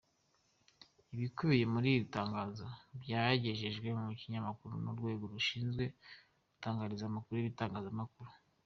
Ibikubiye muri iri tangazo byagejejwe mu binyamakuru n’Urwego rushinzwe gutangariza amakuru ibitangazamakuru.